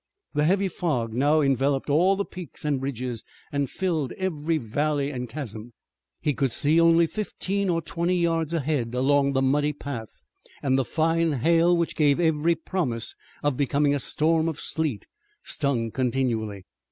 The heavy fog now enveloped all the peaks and ridges and filled every valley and chasm. He could see only fifteen or twenty yards ahead along the muddy path, and the fine hail which gave every promise of becoming a storm of sleet stung continually.